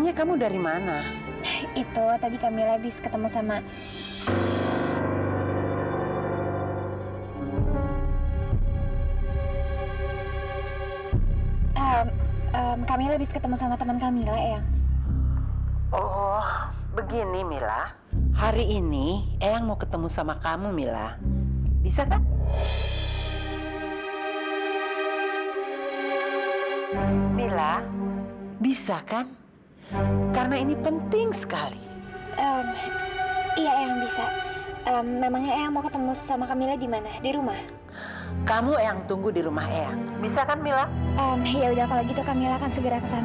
ya udah kalau gitu kamila kan segera kesana eyang